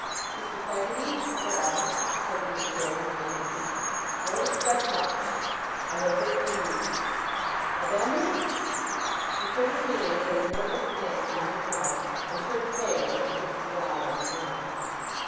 'Mr. Peggotty,' said I, taking the chair he handed me, 'don't expect much! I have heard some news.' 'Of Em'ly!' He put his hand, in a nervous manner, on his mouth, and turned pale, as he fixed his eyes on mine.